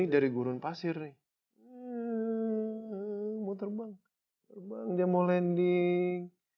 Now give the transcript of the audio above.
dia mau landing